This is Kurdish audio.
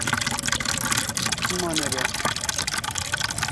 Çima nebe?